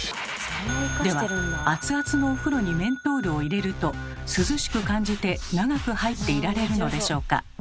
では熱々のお風呂にメントールを入れると涼しく感じて長く入っていられるのでしょうか。